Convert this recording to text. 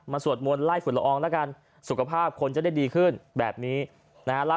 สวดมนต์ไล่ฝุ่นละอองแล้วกันสุขภาพคนจะได้ดีขึ้นแบบนี้นะฮะ